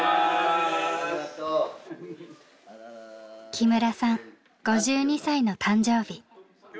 木村さん５２歳の誕生日。